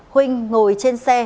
huynh ngồi trên xe